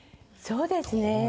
そうですね。